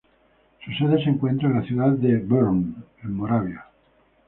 Su sede se encuentra en la ciudad de Brno, en Moravia.